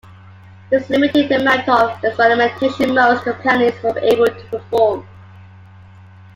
This limited the amount of experimentation most companies were able to perform.